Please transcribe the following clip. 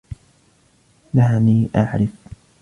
دعني أعرف!